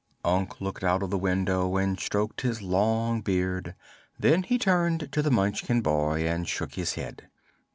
Unc looked out of the window and stroked his long beard. Then he turned to the Munchkin boy and shook his head.